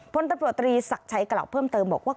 พลตำรวจตรีศักดิ์ชัยกล่าวเพิ่มเติมบอกว่า